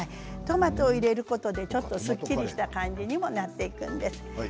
トマトを入れることでちょっとすっきりした感じにもなっていくんです。